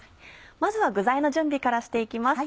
まずは具材の準備からして行きます。